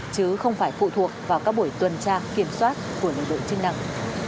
chứ không phải phụ thuộc vào các buổi tuần tra kiểm soát của lực lượng chức năng